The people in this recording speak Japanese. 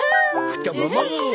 ふともも。